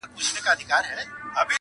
الله… الله… الله به مې وژغوري